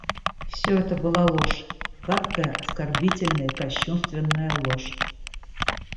Всё это была ложь, гадкая, оскорбительная и кощунственная ложь.